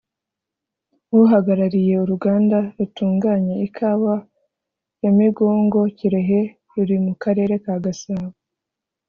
uhagarariye uruganda rutunganya ikawa ya ‘Migongo’(Kirehe) ruri mu karere ka Gasabo